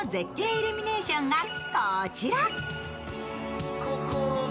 イルミネーションがこちら。